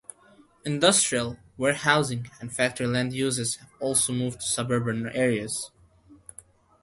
Industrial, warehousing, and factory land uses have also moved to suburban areas.